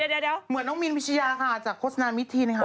เดี๋ยวเหมือนน้องมินพิชยาค่ะจากโฆษณามิดทีนะคะ